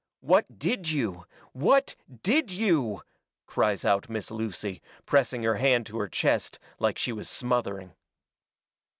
What DID you? WHAT DID YOU?" cries out Miss Lucy, pressing her hand to her chest, like she was smothering.